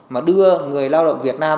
mà đưa người lao động việt nam